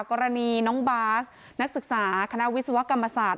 กรณีน้องบาสนักศึกษาคณะวิศวกรรมศาสตร์